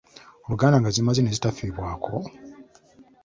Oluganda nga zimaze ne zitafiibwako?